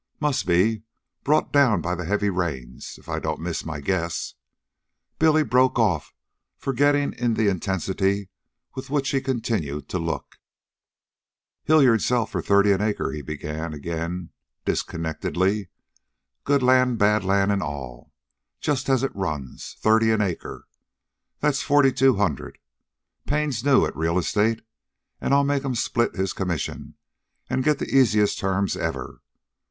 "Must be brought down by the heavy rains. If I don't miss my guess " Billy broke off, forgetting in the intensity with which he continued to look. "Hilyard'll sell for thirty an acre," he began again, disconnectedly. "Good land, bad land, an' all, just as it runs, thirty an acre. That's forty two hundred. Payne's new at real estate, an' I'll make 'm split his commission an' get the easiest terms ever.